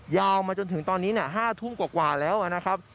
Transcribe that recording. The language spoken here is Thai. ยาวมาจนถึงตอนนี้๕ทุ่มกว่าแล้วนะครับ